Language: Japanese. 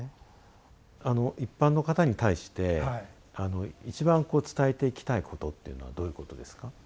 一般の方に対して一番伝えていきたいことっていうのはどういうことですか？